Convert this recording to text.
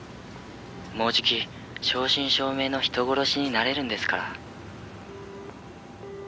「もうじき正真正銘の人殺しになれるんですから」